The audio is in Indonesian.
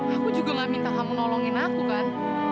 aku juga gak minta kamu nolongin aku kan